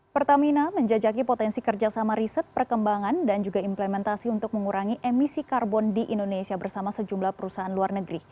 pertamina menjajaki potensi kerjasama riset perkembangan dan juga implementasi untuk mengurangi emisi karbon di indonesia bersama sejumlah perusahaan luar negeri